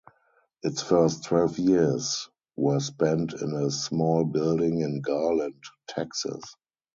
Its first twelve years were spent in a small building in Garland, Texas.